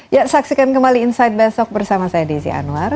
ya saksikan kembali inside besok bersama saya desy anwar